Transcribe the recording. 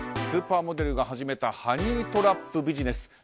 スーパーモデルが始めたハニートラップビジネス。